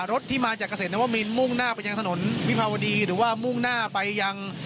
รถที่มาจากเกษตรนวมินมุ่งหน้าไปยังถนนวิภาวดีหรือว่ามุ่งหน้าไปยัง